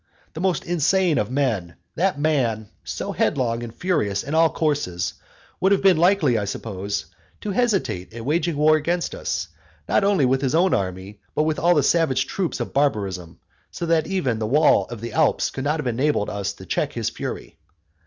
That most insane of men, that man so headlong and furious in all his courses, would have been likely, I suppose, to hesitate at waging war against us, not only with his own army, but with all the savage troops of barbarism, so that even the wall of the Alps would not have enabled us to check his frenzy.